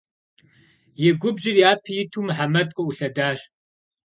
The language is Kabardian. И губжьыр япэ иту Мухьэмэд къыӏулъэдащ.